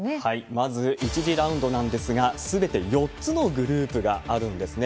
まず１次ラウンドなんですが、すべて４つのグループがあるんですね。